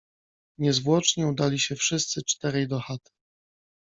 Niezwłocznie udali się wszyscy czterej do chaty.